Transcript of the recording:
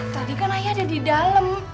tadi kan ayah ada di dalam